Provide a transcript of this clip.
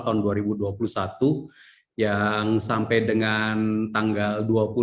tahun dua ribu dua puluh satu yang sampai dengan tanggal dua puluh